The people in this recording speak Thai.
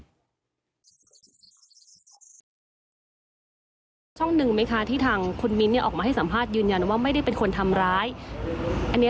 พี่ก็ดูหน้าหนูดีพี่เขาจะพูดว่าเขาทำหนูไม่ได้แล้วเขายังที่หนูเห็นที่เขาให้ข่าวว่าหนูได้สู้เขาพี่